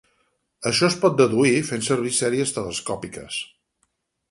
Això es pot deduir fent servir sèries telescòpiques.